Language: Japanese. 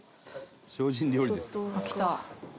「精進料理ですから」